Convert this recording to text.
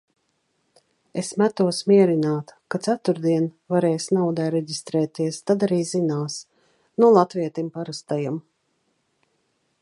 Es metos mierināt, ka ceturtdien varēs naudai reģistrēties, tad arī zinās. Nu latvietim parastajam.